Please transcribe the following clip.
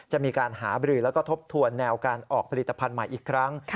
จะมีการหาบรือแล้วก็ทบทวนแนวการออกผลิตภัณฑ์ใหม่อีกครั้ง